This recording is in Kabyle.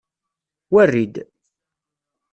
Werri-d.